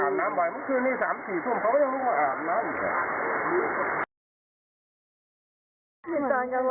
อาบน้ำเป็นจิตเที่ยว